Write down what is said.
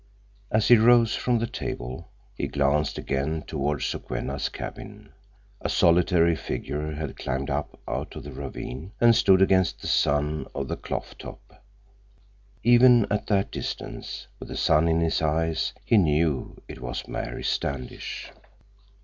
As he rose from the table, he glanced again toward Sokwenna's cabin. A solitary figure had climbed up out of the ravine and stood against the sun on the clough top. Even at that distance, with the sun in his eyes, he knew it was Mary Standish.